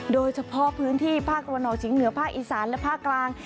โดยเฉพาะพื้นที่ภาคกรณชิงเหนือภาคอีสานและภาคกลาง